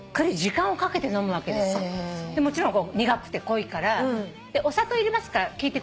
もちろん苦くて濃いからお砂糖入れるか聞いてくれるから。